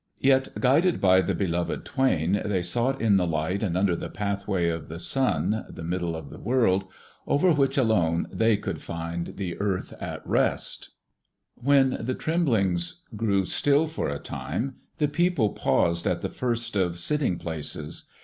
Yet, guided by the Beloved Twain, they sought in the light and under the pathway of the Sun, the Middle of the world, over which alone they could find the earth at rest(1). When the tremblings grew still for a time, the people paused at the First of Sitting Places.